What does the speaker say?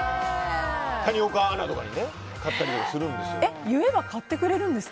谷岡アナとかに買ったりするんです。